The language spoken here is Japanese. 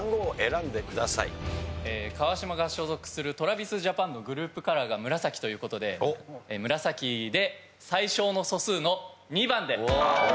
川島が所属するＴｒａｖｉｓＪａｐａｎのグループカラーが紫という事で紫で最小の素数の２番で！